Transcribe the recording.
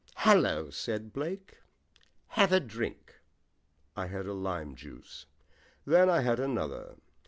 "Hallo," said Blake, "have a drink." I had a lime juice. Then I had another.